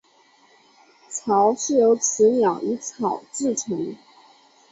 巢是由雌鸟以草筑成。